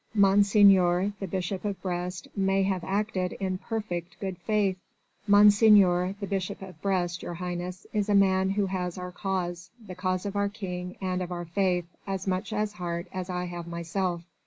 Monseigneur the Bishop of Brest may have acted in perfect good faith...." "Monseigneur the Bishop of Brest, your Highness, is a man who has our cause, the cause of our King and of our Faith, as much at heart as I have myself.